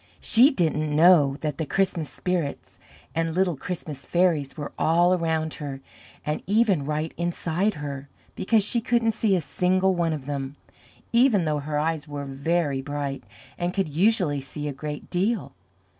She didn't know that the Christmas spirits and little Christmas fairies were all around her and even right inside her, because she couldn't see a single one of them, even though her eyes were very bright and could usually see a great deal.